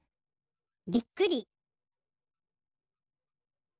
びっくり。